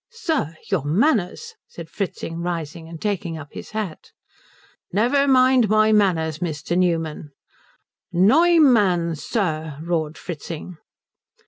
"Sir, your manners " said Fritzing, rising and taking up his hat. "Never mind my manners, Mr. Newman." "_Neu_mann, sir!" roared Fritzing.